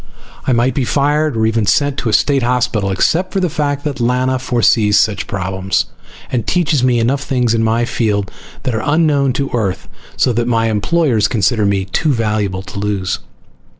I might be fired, or even sent to a state hospital, except for the fact that Lana foresees such problems and teaches me enough things in my field that are unknown to Earth, so that my employers consider me too valuable to lose.